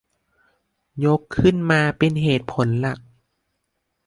ยกขึ้นมาเป็นเหตุผลหลัก